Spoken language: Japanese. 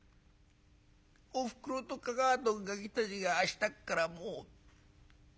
おふくろとかかあとがきたちが明日っからもう。